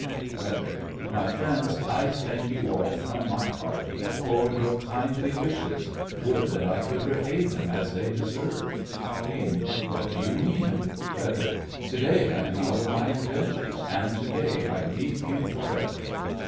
FREDERIC: My friends, I thank you all, from my heart, for your kindly wishes. Would that I could repay them as they deserve! KING: What do you mean? FREDERIC: To day I am out of my indentures, and to day I leave you for ever.